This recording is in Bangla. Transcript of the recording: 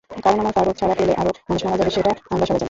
কারণ ওমর ফারুক ছাড়া পেলে আরও মানুষ মারা যাবে সেটা আমরা সবাই জানি।